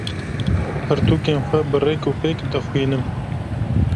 Pirtûkên xwe bi rêk û pêk dixwînim.